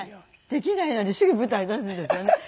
できないのにすぐ舞台出すんですよね。